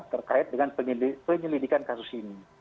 terkait dengan penyelidikan kasus ini